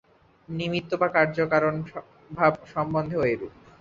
নিমিত্ত বা কার্যকারণভাব সম্বন্ধেও এইরূপ।